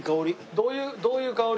どういう香り？